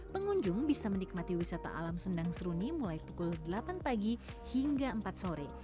pengunjung bisa menikmati wisata alam sendang seruni mulai pukul delapan pagi hingga empat sore